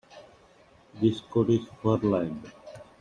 This coat is fur-lined.